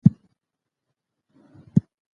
ښتې د افغانستان طبعي ثروت دی.